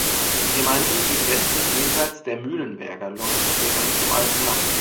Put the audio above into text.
Die Gemeinden südwestlich, jenseits des Mühlenberger Lochs, gehören zum Alten Land.